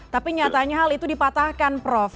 tapi nyatanya hal itu dipatahkan prof